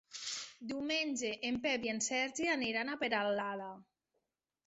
Diumenge en Pep i en Sergi aniran a Peralada.